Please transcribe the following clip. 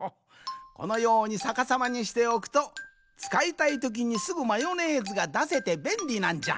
このようにさかさまにしておくとつかいたいときにすぐマヨネーズがだせてべんりなんじゃ。